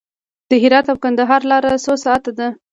د هرات او کندهار لاره څو ساعته ده؟